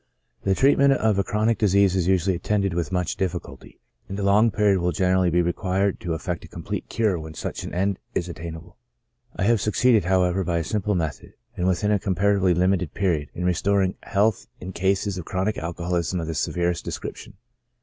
The treatment of a chronic disease is usually attended with much difficulty, and a long period will generally be required to eiFect a complete cure when such an end is at tainable. I have succeeded, however, by a simple method, and within a comparatively limited period, in restoring health in cases of chronic alcoholism of the severest de scription.